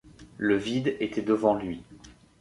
Le vide était devant lui.